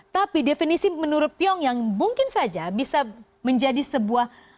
tapi definisi menurut pyongyang mungkin saja bisa menjadi sebuah